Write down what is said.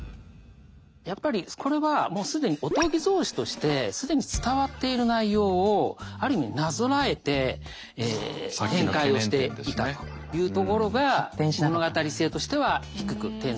やっぱりこれはもう既に「御伽草子」として既に伝わっている内容をある意味なぞらえて展開をしていたというところが物語性としては低く点数させていただきました。